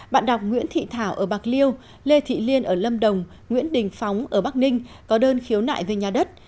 bạn đọc nguyễn thị thảo ở bạc liêu lê thị liên ở lâm đồng nguyễn đình phóng ở bắc ninh có đơn khiếu nại về nhà đất